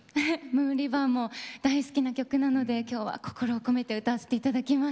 「ムーン・リバー」も大好きな曲なので今日は心を込めて歌わせていただきます。